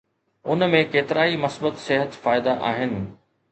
ان ۾ ڪيترائي مثبت صحت فائدا آھن